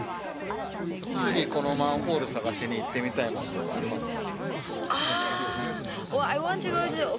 次このマンホール探しに行ってみたい街とかありますか？